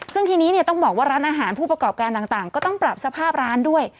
ซึ่งทีนี้ต้องบอกว่าร้านอาหารผู้ประกอบการต่างก็ต้องปรับสภาพร้านด้วย